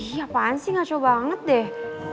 ih apaan sih ngaco banget deh